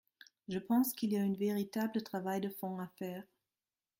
Je pense qu’il y a un véritable travail de fond à faire.